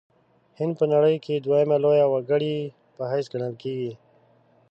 هند په نړۍ کې دویمه لویه وګړې په حیث ګڼل کیږي.